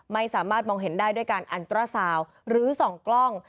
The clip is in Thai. ไม่สามารถมองเห็นได้ด้วยการอันตราซาวหรือส่องกล้อง